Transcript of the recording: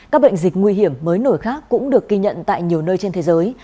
các bệnh dịch nguy hiểm mới nổi khác cũng được ghi nhận tại nhiều nơi trên thế giới